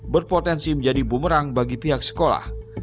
berpotensi menjadi bumerang bagi pihak sekolah